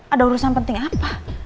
ada urusan penting apa